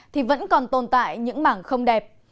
thì vẫn còn tồn tại những mảng không đẹp